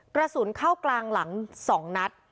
กระสุนเข้ากลางหลัง๒นัด